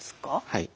はい。